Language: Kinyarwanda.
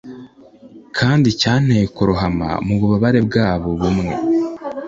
kandi cyanteye kurohama mububabare bwabo bumwe